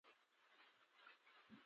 د طبیعت ساتنه زموږ دنده ده.